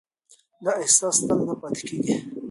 دا احساس تل نه پاتې کېږي.